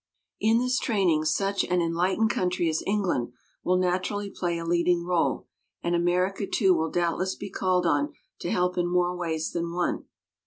In this training such an enlightened country as England will naturally play a leading role, and America too will doubtless be called on to help in more ways than one.